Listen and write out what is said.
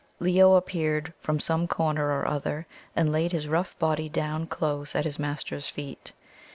Leo appeared from some corner or other, and laid his rough body down close at his master's feet.